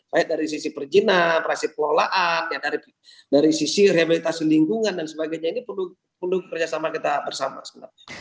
baik dari sisi perjina praset pelolaan dari sisi rehabilitasi lingkungan dan sebagainya ini perlu kerjasama kita bersama sebenarnya